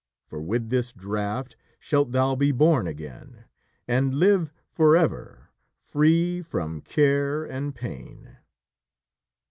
For with this draught shalt thou be born again, And live for ever free from care and pain."